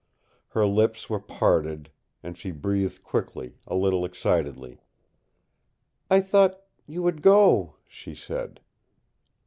Her lips were parted, and she breathed quickly, a little excitedly. "I thought you would go!" she said.